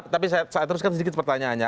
tapi saya teruskan sedikit pertanyaannya